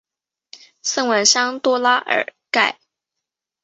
圣万桑多拉尔盖。